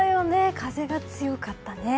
風が強かったね。